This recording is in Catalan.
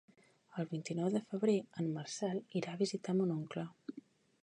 El vint-i-nou de febrer en Marcel irà a visitar mon oncle.